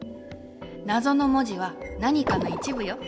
なぞの文字は何かの一部よ！